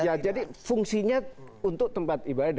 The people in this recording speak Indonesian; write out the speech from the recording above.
ya jadi fungsinya untuk tempat ibadah